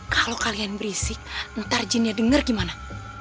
kalau kalian berisik ntar jinnya denger gimana